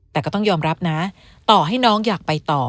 แต่ก็ต้องยอมรับนะต่อให้น้องอยากไปต่อ